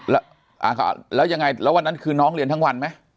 แล้วยังไงแล้ววันนั้นคือน้องเรียนทั้งวันไหม